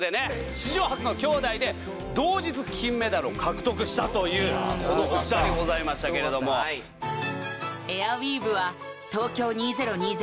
史上初のきょうだいで同日金メダルを獲得したというこのお二人でございましたけれどもエアウィーヴは東京２０２０